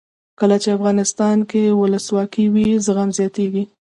کله چې افغانستان کې ولسواکي وي زغم زیاتیږي.